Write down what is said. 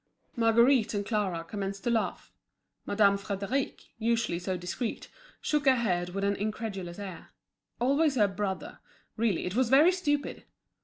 Marguerite and Clara commenced to laugh. Madame Frédéric, usually so discreet, shook her head with an incredulous air. Always her brother! Really it was very stupid!